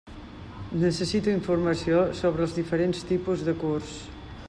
Necessito informació sobre els diferents tipus de curs.